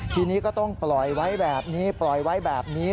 ทีนี้ก็ต้องปล่อยไว้แบบนี้ปล่อยไว้แบบนี้